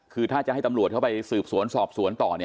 คือถ้าจะให้ตำรวจเข้าไปสืบสวนสอบสวนต่อ